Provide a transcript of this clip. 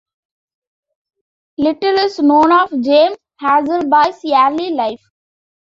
Little is known of James Hasleby's early life.